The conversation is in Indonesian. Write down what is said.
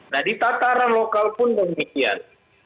nah di tataran lokal pun demikian